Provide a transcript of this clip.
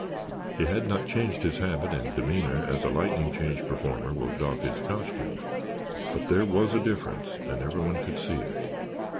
He had not changed his habit and demeanor as a lightning change performer will doff his costume, but there was a difference and everyone could see it.